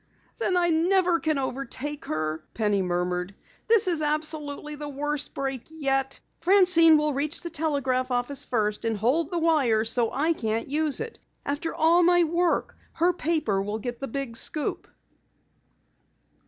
"Then I never can overtake her," Penny murmured. "This is absolutely the worst break yet! Francine will reach the telegraph office first and hold the wire so I can't use it. After all my work, her paper will get the big scoop!"